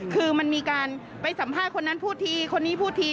คือมันมีการไปสัมภาษณ์คนนั้นพูดทีคนนี้พูดที